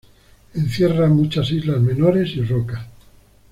Encierra muchas islas menores y rocas.